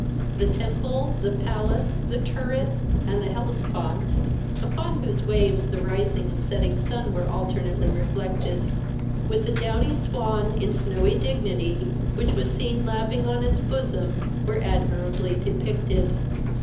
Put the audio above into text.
The temple, the palace, the turret, and the Hellespont, upon whose waves the rising and setting sun were alternately reflected, with the downy swan, in snowy dignity, which was seen laving on its bosom were admirably depicted.